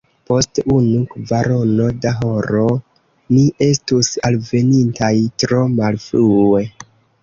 Post unu kvarono da horo, ni estus alvenintaj tro malfrue.